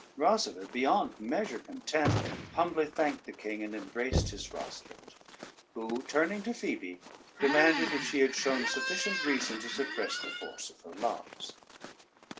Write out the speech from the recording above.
Rosader beyond measure content, humbly thanked the king, and embraced his Rosalynde, who turning to Phoebe, demanded if she had shown sufficient reason to suppress the force of her loves.